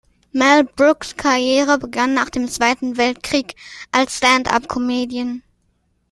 Mel Brooks’ Karriere begann nach dem Zweiten Weltkrieg als Stand-up-Comedian.